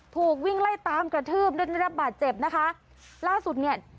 ถูกวิ่งไล่ตามกระทืบจนได้รับบาดเจ็บนะคะล่าสุดเนี่ย